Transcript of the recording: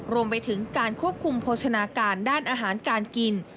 รวมไปถึงการควบคุมโภชนาการด้านอาหารการกิน